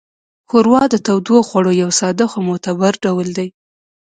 ښوروا د تودوخوړو یو ساده خو معتبر ډول دی.